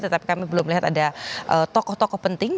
tetapi kami belum melihat ada tokoh tokoh penting